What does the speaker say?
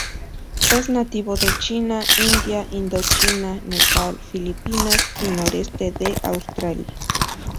Es nativo de China, India, Indochina, Nepal, Filipinas y noreste de Australia.